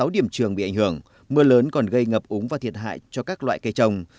sáu điểm trường bị ảnh hưởng mưa lớn còn gây ngập úng và thiệt hại cho các loại cây trồng